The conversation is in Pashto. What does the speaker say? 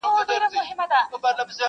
په کمال کي د خبرو یک تنها وو!!